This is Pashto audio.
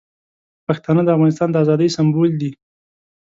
پښتانه د افغانستان د ازادۍ سمبول دي.